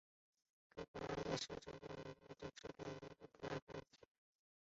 格拉那再也线的占美清真寺站属于布特拉轻快铁。